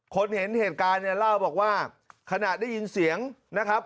เห็นเหตุการณ์เนี่ยเล่าบอกว่าขณะได้ยินเสียงนะครับ